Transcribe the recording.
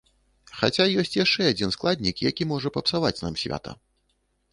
Хаця ёсць яшчэ адзін складнік, які можа папсаваць нам свята.